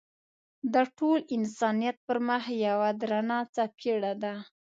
د ټول انسانیت پر مخ یوه درنه څپېړه ده.